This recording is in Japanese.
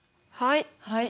はい。